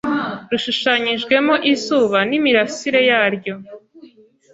rishushanyijwemo izuba n imirasire yaryo